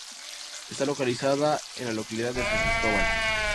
Está localizada en la localidad de San Cristóbal.